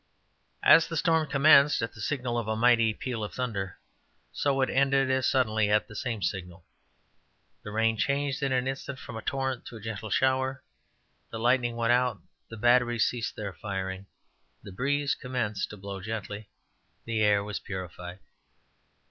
As the storm commenced at the signal of a mighty peal of thunder, so it ended as suddenly at the same signal; the rain changed in an instant from a torrent to a gentle shower, the lightning went out, the batteries ceased their firing, the breeze commenced to blow gently, the air was purified.